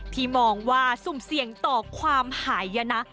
มองว่าสุ่มเสี่ยงต่อความหายนะ